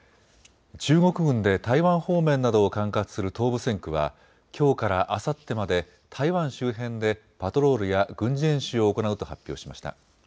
中国軍で台湾方面などを管轄する東部戦区はきょうからあさってまで台湾周辺でパトロールや軍事演習を行うと発表しました。